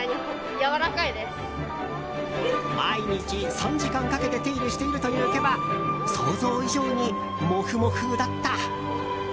毎日３時間かけて手入れしているという毛は想像以上にモフモフだった。